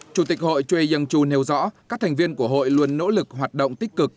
chủ tịch hội choi young choo nêu rõ các thành viên của hội luôn nỗ lực hoạt động tích cực